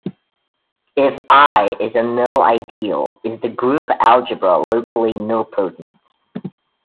If "I" is a nil ideal, is the group algebra locally nilpotent?